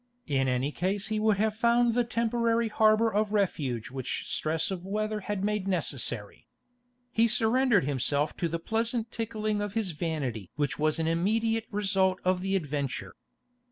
In any case he would have found the temporary harbour of refuge which stress of weather had made necessary. He surrendered himself to the pleasant tickling of his vanity which was an immediate result of the adventure.